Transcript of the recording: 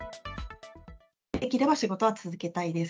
できれば仕事は続けたいです。